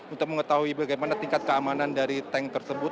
untuk mengetahui bagaimana tingkat keamanan dari tank tersebut